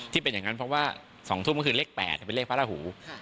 ที่เป็นอย่างนั้นเพราะว่า๒ทุ่มก็คือเลข๘เป็นเลขพระราหู